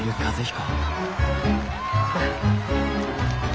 和彦！